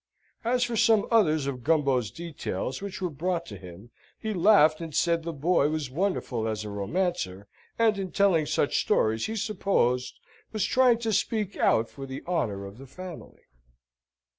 As for some others of Gumbo's details which were brought to him, he laughed and said the boy was wonderful as a romancer, and in telling such stories he supposed was trying to speak out for the honour of the family.